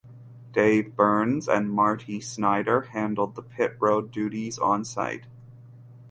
Dave Burns and Marty Snider handled the pit road duties on site.